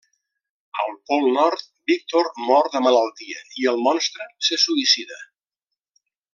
Al Pol Nord, Víctor mor de malaltia i el monstre se suïcida.